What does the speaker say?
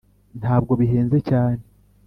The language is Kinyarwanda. ntabwo bihenze cyane.